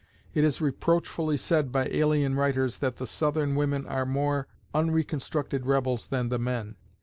It is reproachfully said by alien writers that the Southern women are more "unreconstructed rebels" than the men.